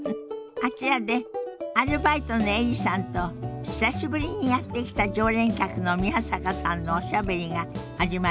あちらでアルバイトのエリさんと久しぶりにやって来た常連客の宮坂さんのおしゃべりが始まりそうよ。